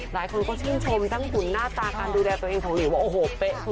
หลายคนก็ชื่นชมทั้งหุ่นหน้าตาการดูแลตัวเองของหลิวบอกโอ้โหเป๊ะ